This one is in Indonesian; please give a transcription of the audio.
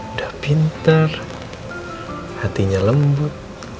udah pintar hatinya lembut